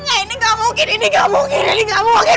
ini gak mungkin ini gak mungkin ini gak mungkin